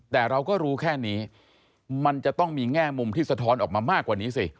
แต่เราก็รู้แค่นี้มันจะต้องมีแง่มุมที่สะท้อนออกมามากกว่านี้สิ